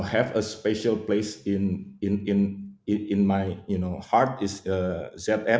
salah satu perusahaan yang memiliki tempat khusus di hati saya adalah zm